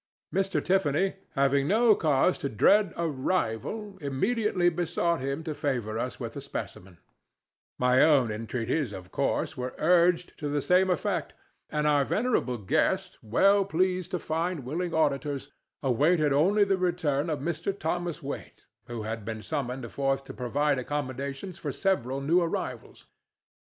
Mr. Tiffany, having no cause to dread a rival, immediately besought him to favor us with a specimen; my own entreaties, of course, were urged to the same effect; and our venerable guest, well pleased to find willing auditors, awaited only the return of Mr. Thomas Waite, who had been summoned forth to provide accommodations for several new arrivals.